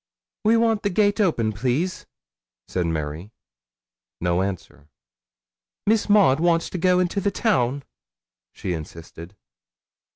'We want the gate open, please,' said Mary. No answer. 'Miss Maud wants to go into the town,' she insisted.